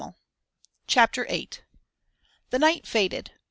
VIII The night faded.